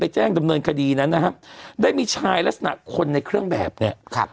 แจ้งดำเนินคดีนั้นนะฮะได้มีชายลักษณะคนในเครื่องแบบเนี่ยครับ